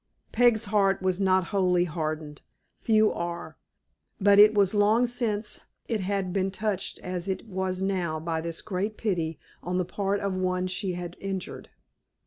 Peg's heart was not wholly hardened. Few are. But it was long since it had been touched as it was now by this great pity on the part of one she had injured.